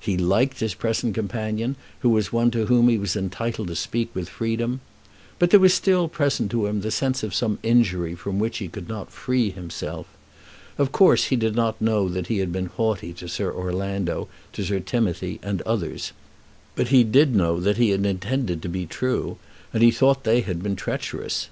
He liked his present companion, who was one to whom he was entitled to speak with freedom. But there was still present to him the sense of some injury from which he could not free himself. Of course he did not know that he had been haughty to Sir Orlando, to Sir Timothy, and others. But he did know that he had intended to be true, and he thought that they had been treacherous.